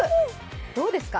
どうですか。